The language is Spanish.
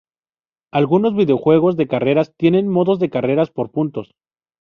Algunos videojuegos de carreras tienen modos de carreras por puntos.